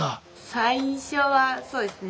最初はそうですね。